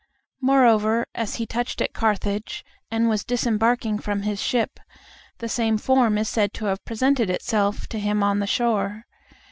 Moreover, as he touched at Carthage, and was disembarking from his ship, the same form is said to have presented itself to him on the shore.